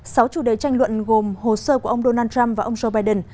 sáu chủ đề tranh luận gồm hồ sơ của ông donald trump và ông joe biden